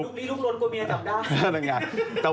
ลุกนี้ลุกโรนกว่าเมียต่ำด้าน